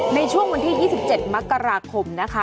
ในช่วงวันที่๒๗มกราคมนะคะ